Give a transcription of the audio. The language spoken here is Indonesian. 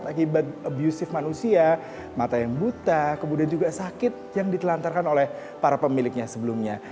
akibat abusive manusia mata yang buta kemudian juga sakit yang ditelantarkan oleh para pemiliknya sebelumnya